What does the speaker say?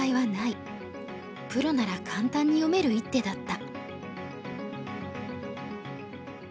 プロなら簡単に読める一手だった。